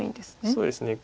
そうですね。